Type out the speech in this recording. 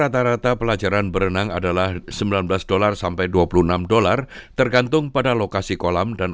dalam hal hal umum di kehidupan australia